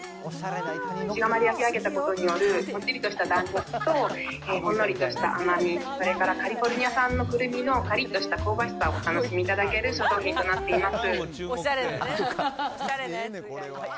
石窯で焼き上げたことによるもっちりとした弾力と、ほんのりとした甘み、それからカリフォルニア産のくるみのかりっとした香ばしさをお楽しみいただける商品となっております。